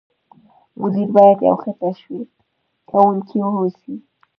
مدیر باید یو ښه تشویق کوونکی واوسي.